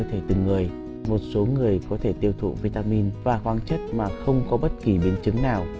thể từng người một số người có thể tiêu thụ vitamin và hoang chất mà không có bất kỳ biến chứng nào